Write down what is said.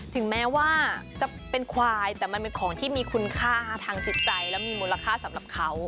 ถึงแม้ว่าจะเป็นควายแต่มันเป็นของที่มีคุณค่าทางจิตใจและมีมูลค่าสำหรับเขา